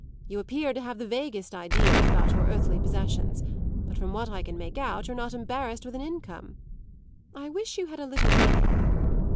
You appear to have the vaguest ideas about your earthly possessions; but from what I can make out you're not embarrassed with an income. I wish you had a little money."